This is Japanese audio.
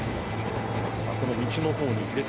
この道のほうに。